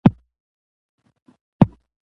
د بېټسمېن له پاره تخنیک ډېر مهم دئ.